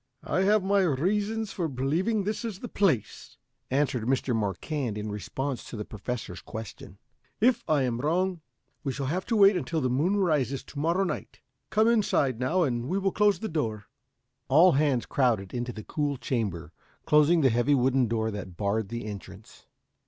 "I have my reasons for believing this is the place," answered Mr. Marquand, in response to the Professor's question. "If I am wrong, we shall have to wait until the moon rises to morrow night. Come inside now, and we will close the door." All hands crowded into the cool chamber, closing the heavy wooden door that barred the entrance.